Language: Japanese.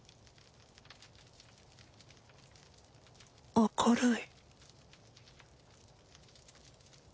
明るい。